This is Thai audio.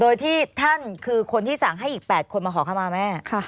โดยที่ท่านคือคนที่สั่งให้อีก๘คนมาขอเข้ามาแม่